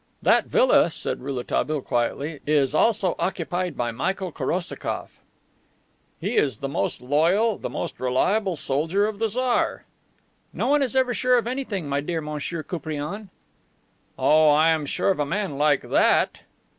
"That villa," said Rouletabille quietly, "is also occupied by Michael Korosakoff." "He is the most loyal, the most reliable soldier of the Tsar." "No one is ever sure of anything, my dear Monsieur Koupriane." "Oh, I am sure of a man like that."